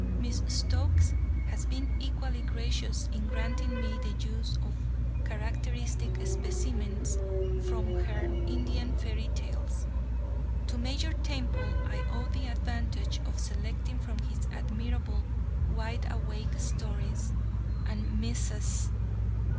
Miss Stokes has been equally gracious in granting me the use of characteristic specimens from her "Indian Fairy Tales." To Major Temple I owe the advantage of selecting from his admirable Wideawake Stories, and Messrs.